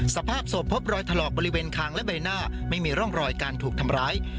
สภาพศพพบรอยถลอกบริเวณคางและใบหน้าไม่มีร่องรอยการถูกทำร้าย